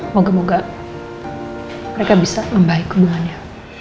moga moga mereka bisa membaik hubungannya